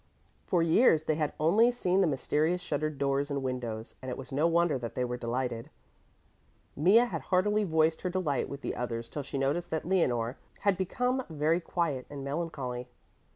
For years they had only seen the mysterious shuttered doors and windows, and it was no wonder that they were delighted. Mea had heartily voiced her delight with the others till she noticed that Leonore had become very quiet and melancholy.